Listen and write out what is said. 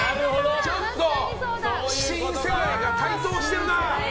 ちょっと新世代が台頭してるな。